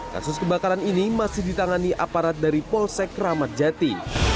kasus kebakaran ini masih ditangani aparat dari polsek ramadjati